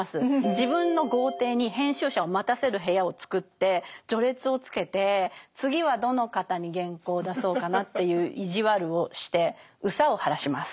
自分の豪邸に編集者を待たせる部屋を作って序列をつけて「次はどの方に原稿を出そうかな」という意地悪をして憂さを晴らします。